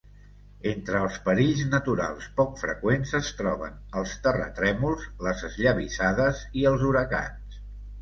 Entre els perills naturals poc freqüents es troben els terratrèmols, les esllavissades i els huracans.